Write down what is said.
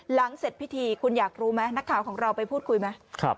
เสร็จพิธีคุณอยากรู้ไหมนักข่าวของเราไปพูดคุยไหม